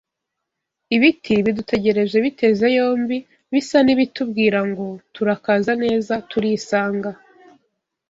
ibiti bidutegereje biteze yombi bisa n’ibitubwira ngo turakaza neza turisanga